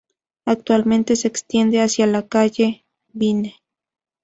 Actualmente se extiende hacia la calle Vine.